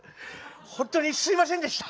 ホントにすいませんでした。